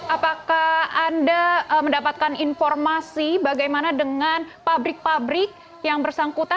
apakah anda mendapatkan informasi bagaimana dengan pabrik pabrik yang bersangkutan